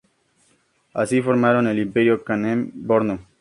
Así formaron el imperio Kanem-Bornu.